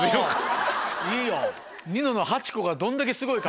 いいよ。